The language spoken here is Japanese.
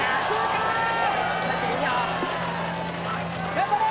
頑張れ！